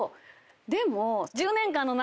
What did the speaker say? でも。